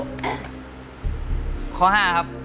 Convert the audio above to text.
ข้อ๕ครับ